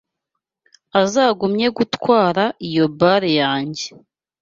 Azagumye gutwara iyo mbare yanjye